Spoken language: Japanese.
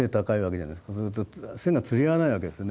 そうすると背が釣り合わないわけですよね。